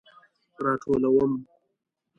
راټولوم